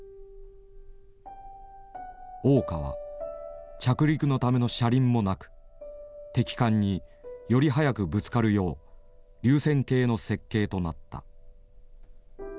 桜花は着陸のための車輪もなく敵艦により速くぶつかるよう流線型の設計となった。